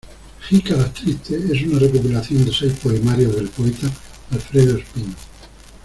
Jícaras Tristes es una recopilación de seis poemarios del poeta Alfredo Espino.